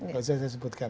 kalau saya sebutkan